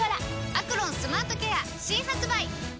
「アクロンスマートケア」新発売！